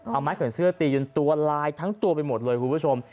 เอาไม้ขนเสื้อตีจนตัวลายทั้งตัวไปหมดเลยคุณผู้ชม